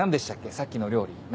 さっきの料理名前。